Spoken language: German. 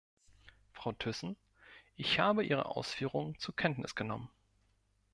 Frau Thyssen, ich habe Ihre Ausführungen zur Kenntnis genommen.